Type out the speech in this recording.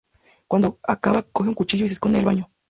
Cuando acaba coge un cuchillo y se esconde en el baño.